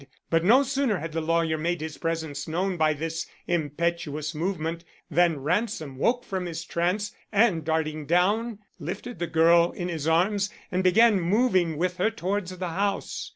But no sooner had the lawyer made his presence known by this impetuous movement, than Ransom woke from his trance and, darting down, lifted the girl in his arms and began moving with her towards the house.